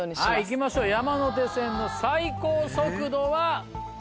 いきましょう山手線の最高速度は？